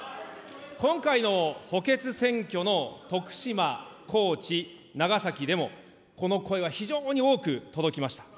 今回の補欠選挙の徳島、高知、長崎でも、この声は非常に多く届きました。